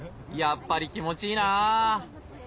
やっぱり気持ちいいな。